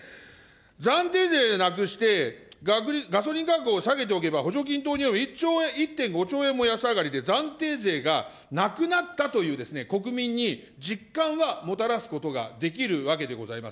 暫定税なくして、ガソリン価格を下げておけば、補助金投入の１．５兆円も安上がりで暫定税がなくなったという国民に実感はもたらすことができるわけでございます。